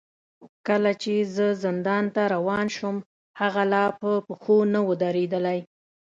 کله چې زه زندان ته روان شوم، هغه لا په پښو نه و درېدلی.